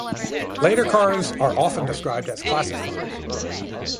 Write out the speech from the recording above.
Later cars are often described as classic cars.